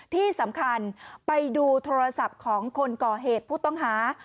ที่สำคัญไปดูโทรศัพท์ของคนก่อเหตุผู้ต้องหา